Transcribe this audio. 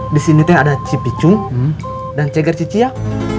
di sini tuh ada cipicung dan ceger ciciak